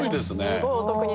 すごいお得になる。